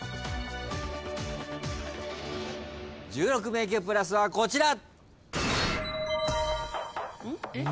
１６迷宮プラスはこちら。